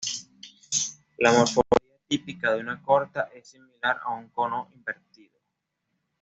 La morfología típica de una corta es similar a un cono invertido.